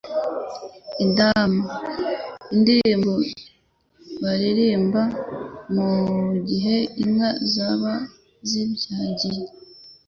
Indama: Indirimbo baririmbaga mu gihe inka zabaga zibyagiye